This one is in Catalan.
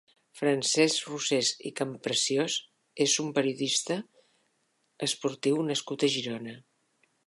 Francesc Rosés i Campreciós és un periodista esportiu nascut a Girona.